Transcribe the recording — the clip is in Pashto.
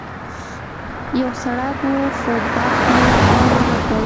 یو سړک و، خو بخت مو کار ونه کړ.